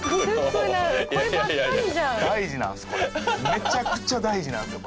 「めちゃくちゃ大事なんですよ」